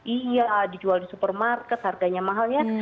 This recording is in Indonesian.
iya dijual di supermarket harganya mahal ya